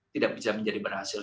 tidak bisa menjadi berhasil